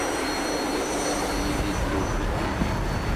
Lemmer yelli ddnub deg wul-iw.